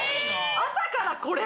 朝からこれ？